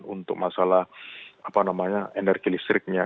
untuk masalah energi listriknya